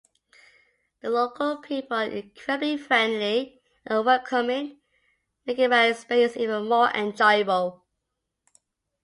The local people are incredibly friendly and welcoming, making my experience even more enjoyable.